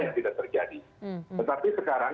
yang tidak terjadi tetapi sekarang